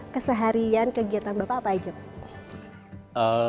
keseharian kegiatan bapak apa aja pak